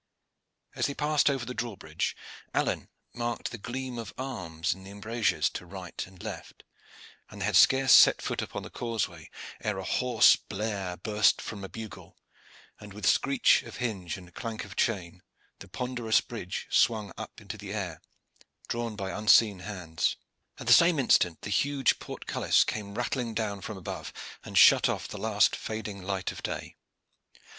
As they passed over the drawbridge, Alleyne marked the gleam of arms in the embrasures to right and left, and they had scarce set foot upon the causeway ere a hoarse blare burst from a bugle, and, with screech of hinge and clank of chain, the ponderous bridge swung up into the air, drawn by unseen hands. At the same instant the huge portcullis came rattling down from above, and shut off the last fading light of day.